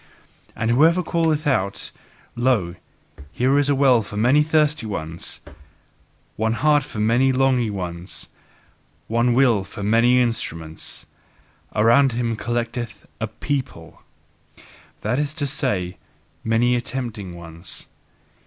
And whoever calleth out: "Lo, here is a well for many thirsty ones, one heart for many longing ones, one will for many instruments": around him collecteth a PEOPLE, that is to say, many attempting ones.